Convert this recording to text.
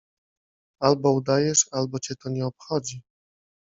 » Albo udajesz, albo cię to nie obchodzi.